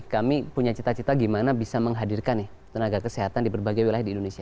kami punya cita cita gimana bisa menghadirkan tenaga kesehatan di berbagai wilayah di indonesia